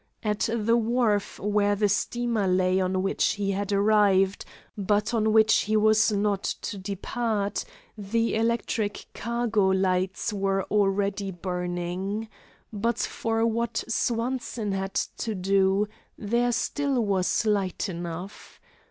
At the wharf where the steamer lay on which he had arrived, but on which he was not to depart, the electric cargo lights were already burning. But for what Swanson had to do there still was light enough.